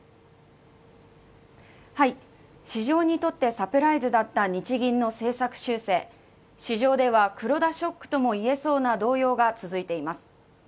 市場にとってサプライズだった日銀の政策修正市場では黒田ショックとも言えそうな動揺が続いています